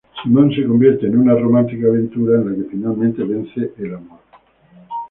Simon, se convierte en una romántica aventura en la que, finalmente, vence el amor.